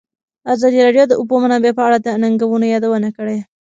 ازادي راډیو د د اوبو منابع په اړه د ننګونو یادونه کړې.